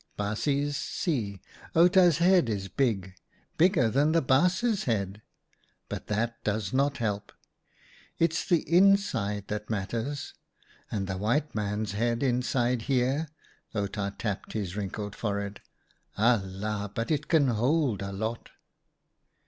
Baas jes see, Outa's head is big — bigger than the Baas's head — but that does not help. It's the inside that matters, and the white man's head inside here "— Outa tapped his wrinkled forehead —" Alia ! but it can hold a lot